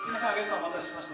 お待たせしました。